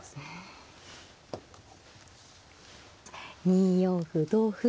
２四歩同歩。